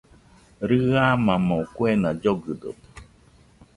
Rɨamamo kuena llogɨdote